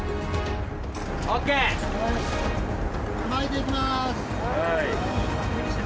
巻いていきます。